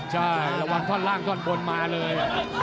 ใช่ระวังท่อนล่างท่อนบนมาเลย